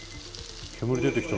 煙出てきたぞ。